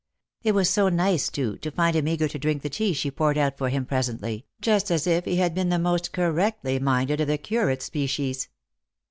It was so nice, too, to find him eager to drink the tea she poured out for him presently, just as if he had been the most correctly minded of the curate species.